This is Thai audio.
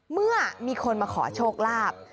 เมื่อมีคนมาขอโชคลาภ